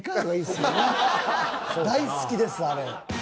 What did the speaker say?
大好きですあれ。